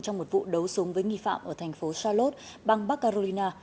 trong một vụ đấu súng với nghi phạm ở thành phố charlot bang baccarolina